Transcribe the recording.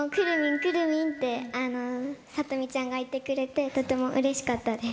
くるみん！ってさとみちゃんが言ってくれて、とてもうれしかったです。